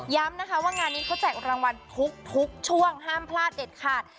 นะคะว่างานนี้เขาแจกรางวัลทุกช่วงห้ามพลาดเด็ดขาด